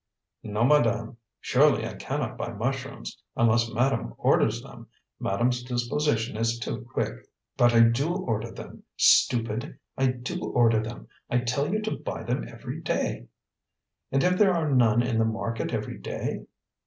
"No, madame. Surely I cannot buy mushrooms unless madame orders them. Madame's disposition is too quick." "But I do order them. Stupid! I do order them. I tell you to buy them every day." "And if there are none in the market every day?"